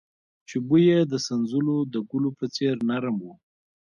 چې بوى يې د سنځلو د ګلو په څېر نرم و.